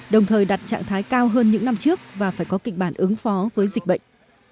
đồng thời đặt trạng thái cao hơn những năm trước và phải có kịch bản ứng phó với dịch bệnh